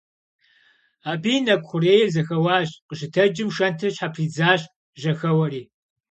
Абы и нэкӀу хъурейр зэхэуащ, къыщытэджым шэнтыр щхьэпридзащ, жьэхэуэри.